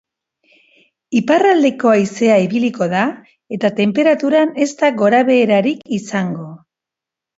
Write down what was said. Iparraldeko haizea ibiliko da eta tenperaturan ezta gorabeherarik izango.